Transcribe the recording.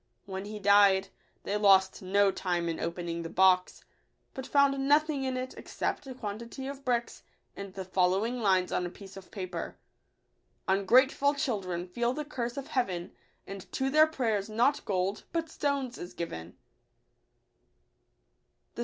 When he died, they lost no time in opening the box ; but found nothing in 1 it except a quantity of bricks, and the following ■ lines on a piece of paper: — I Ungrateful children feel the curse of Heaven ; And to their prayers not gold, but stones, is given.